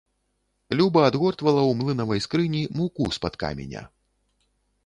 Люба адгортвала ў млынавай скрыні муку з-пад каменя.